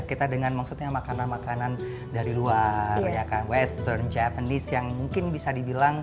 kita dengan maksudnya makanan makanan dari luar western japanese yang mungkin bisa dibilang